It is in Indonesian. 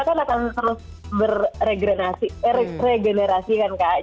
karena kita kan akan terus berregenerasi kan kak